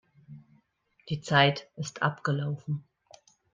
Die Zeit ist abgelaufen.